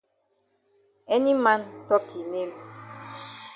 Any man tok e name.